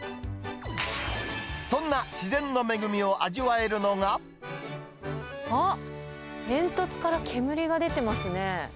そんな自然の恵みを味わえるあっ、煙突から煙が出てますね。